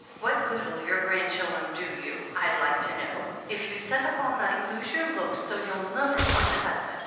"What good'll your grandchildren do you, I'd like to know if you set up all night and lose your looks so you'll nuvver fin' a hasban'?"